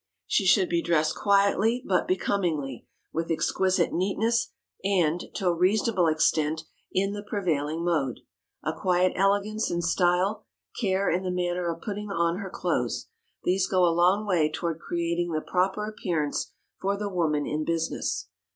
She should be dressed quietly but becomingly, with exquisite neatness and, to a reasonable extent, in the prevailing mode. A quiet elegance in style, care in the manner of putting on her clothes,—these go a long way toward creating the proper appearance for the woman in business.